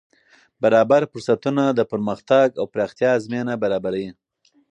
برابر فرصتونه د پرمختګ او پراختیا زمینه برابروي.